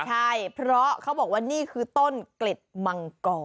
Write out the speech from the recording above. ใช่เพราะเขาบอกว่านี่คือต้นเกล็ดมังกร